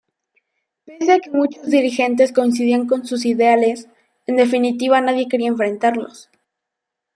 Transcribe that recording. Pese a que muchos dirigentes coincidían con sus ideales, en definitiva nadie quería enfrentarlos.